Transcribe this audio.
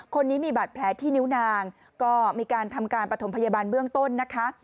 คนนี้มีบาดแผลที่นิ้วนางก็มีการทำการประถมพยาบาลเบื้องต้นนะคะ